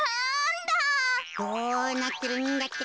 なんだ。